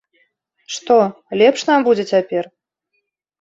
Што, лепш нам будзе цяпер?